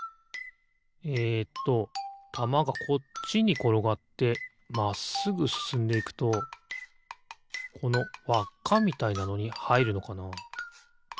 えっとたまがこっちにころがってまっすぐすすんでいくとこのわっかみたいなのにはいるのかな？